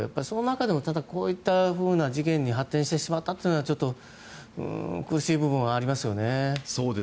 その中でこういった事件に発展してしまったというのはちょっと苦しい部分はありますよね。